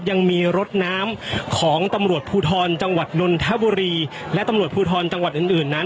ยังมีรถน้ำของตำรวจภูทรจังหวัดนนทบุรีและตำรวจภูทรจังหวัดอื่นอื่นนั้น